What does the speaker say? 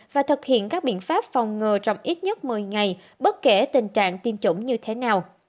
và thực hiện các biện pháp phòng ngừa trong ít nhất một mươi ngày bất kể tình trạng tiêm chủng như thế nào